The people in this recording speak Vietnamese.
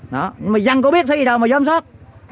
nhưng mà giăng có biết sẽ đi đâu mà giám sát